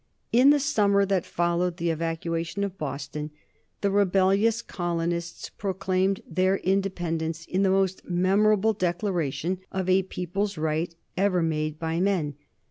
In the summer that followed the evacuation of Boston the rebellious colonies proclaimed their independence in the most memorable declaration of a people's right ever made by men.